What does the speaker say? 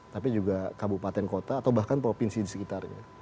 tapi juga kabupaten kota atau bahkan provinsi di sekitarnya